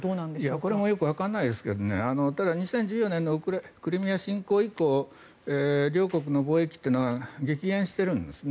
これもよくわからないですけどただ、２０１４年のクリミア侵攻以降両国の貿易というのは激減しているんですね。